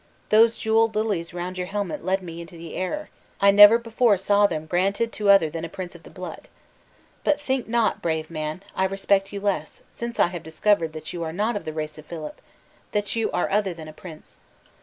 Those jeweled lilies round your helmet led me into the error; I never before saw them granted to other than a prince of the blood. But think not, brave man, I respect you less, since I have discovered that you are not of the race of Philip that you are other than a prince!